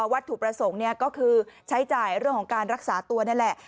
วัตถุประสงค์ก็คือใช้จ่ายเรื่องของการรักษาตัวนั่นแหละ